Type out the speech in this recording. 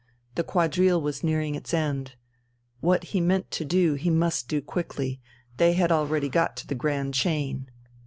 The quadrille was nearing its end. What he meant to do he must do quickly. They had already got to the grand chain.